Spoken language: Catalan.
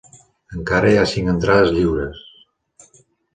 Encara hi ha cinc entrades lliures.